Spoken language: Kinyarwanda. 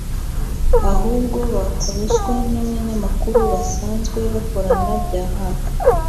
ahubwo bakwa ruswa n’abanyamakuru basanzwe bakorana bya hafi